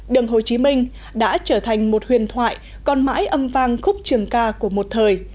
đường hồ chí minh đã trở thành một huyền thoại còn mãi âm vang khúc trường ca của một thời